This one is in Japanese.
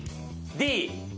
Ｄ。